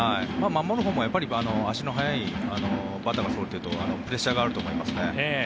守るほうも足の速いバッターがそろってるとプレッシャーがあると思いますね。